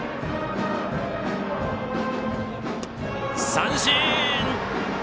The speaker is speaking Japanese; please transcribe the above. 三振！